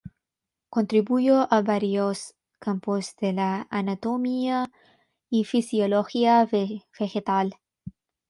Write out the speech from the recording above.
Contribuyó a varios campos de la anatomía y fisiología vegetal.